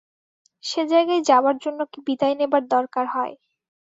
সে জায়গায় যাবার জন্য কি বিদায় নেবার দরকার হয়।